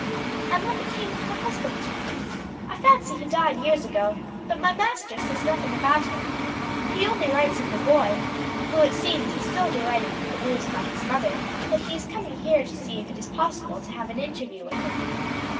"And what became of her husband?" "I fancy he died years ago; but my master says nothing about him. He only writes of the boy, who it seems is so delighted with the news about his mother that he is coming here to see if it is possible to have an interview with her."